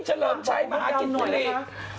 เฉลิมชัยมหากินสุดยอด